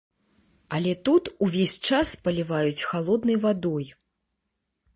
Але тут увесь час паліваюць халоднай вадой.